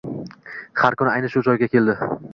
Har kuni ayni shu joyga keldi